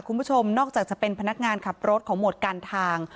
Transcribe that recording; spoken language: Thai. คุณผู้ชมนอกจากจะเป็นพนักงานขับรถของหมวดการทาง